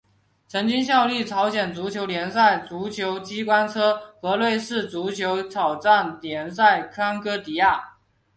曾经效力朝鲜足球联赛足球队机关车和瑞士足球挑战联赛康戈迪亚。